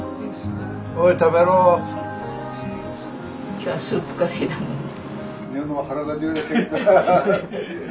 今日はスープカレーだもんね。